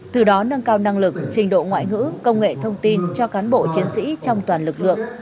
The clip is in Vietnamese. từ đó nâng cao năng lực trình độ ngoại ngữ công nghệ thông tin cho cán bộ chiến sĩ trong toàn lực lượng